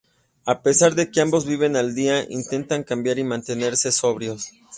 A pesar de que ambos viven al día, intentan cambiar y mantenerse sobrios.